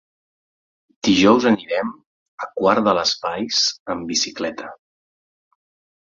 Dijous anirem a Quart de les Valls amb bicicleta.